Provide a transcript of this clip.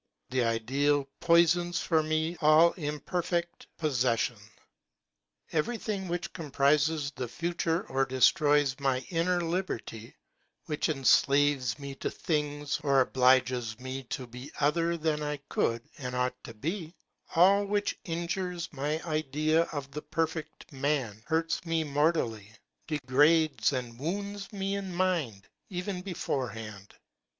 The ideal poisons for me all imperfect possession. Everything which compromises the future or destroys my inner liberty, which enslaves me to things or obliges me to be other than I could and ought to be, all which injures my idea of the perfect man, hurts me mor tally, degrades and wounds me in mind, even beforehand.